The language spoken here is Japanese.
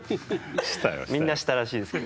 みんなしたらしいです。